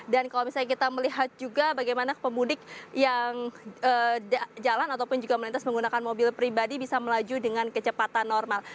dan kalau misalnya kita melihat juga bagaimana pemudik yang jalan ataupun juga melintas menggunakan mobil pribadi bisa melaju dengan kecepatan normal